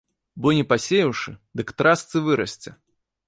Бо не пасеяўшы, дык трасцы вырасце.